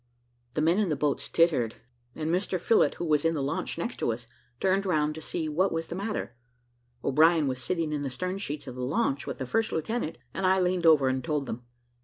The men in the boats tittered; and Mr Phillot, who was in the launch next to us, turned round to see what was the matter, O'Brien was sitting in the stern sheets of the launch with the first lieutenant, and I leaned over and told them.